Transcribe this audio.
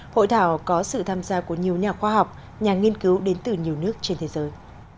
hội thảo có sự tham gia của nhiều nhà khoa học nhà nghiên cứu đến từ nhiều nước trên thế giới